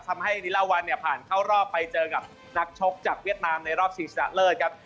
ทำให้นิลาวันเนี่ยผ่านเข้ารอบไปเจอกับนักชกจากเวียดนามในรอบชิงชนะเลิศครับ